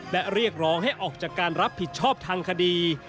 และเรียกร้องให้ออกจากการรับผิดชอบทางคดี